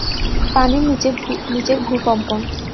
পানির নিচের ভূকম্পন।